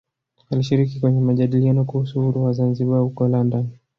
Alishiriki kwenye majadiliano kuhusu uhuru wa Zanzibar huko London